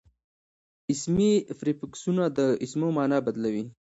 اسمي پریفکسونه د اسمو مانا بدلوي.